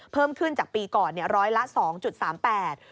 เพิ่มขึ้นจากปีก่อน๑๐๒๓๘บาท